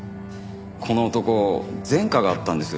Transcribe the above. この男前科があったんです。